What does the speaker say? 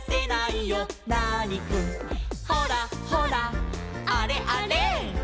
「ほらほらあれあれ」